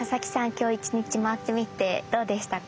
今日一日回ってみてどうでしたか？